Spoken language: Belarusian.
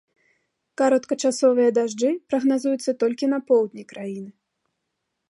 Кароткачасовыя дажджы прагназуюцца толькі на поўдні краіны.